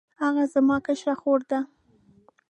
هغه زما کشره خور ده